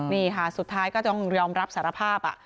นี่ค่ะสุดท้ายก็ต้องยอมรับสารภาพ